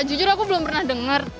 jujur aku belum pernah dengar